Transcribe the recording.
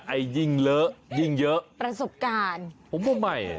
ยิ่งเลอะยิ่งเยอะประสบการณ์ผมว่าใหม่